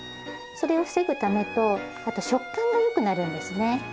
それを防ぐためとあと食感がよくなるんですね。